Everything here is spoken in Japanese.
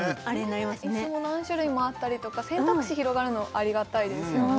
イスも何種類もあったりとか選択肢広がるのありがたいですね